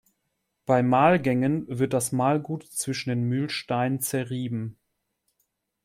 Bei Mahlgängen wird das Mahlgut zwischen den Mühlsteinen zerrieben.